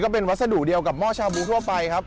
เป็นวัสดุเดียวกับหม้อชาบูทั่วไปครับ